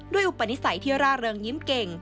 อุปนิสัยที่ร่าเริงยิ้มเก่ง